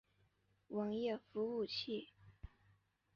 网页服务器。